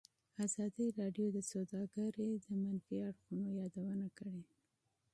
ازادي راډیو د سوداګري د منفي اړخونو یادونه کړې.